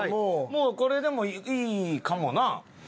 もうこれでもいいかもな。